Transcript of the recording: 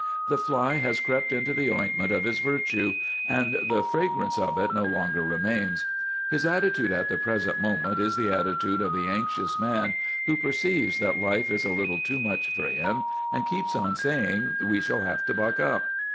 The fly has crept into the ointment of his virtue, and the fragrance of it no longer remains. His attitude at the present moment is the attitude of the anxious man who perceives that life is a little too much for him, and keeps on saying, "We shall have to buck up!"